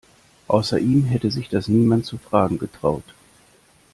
Außer ihm hätte sich das niemand zu fragen getraut.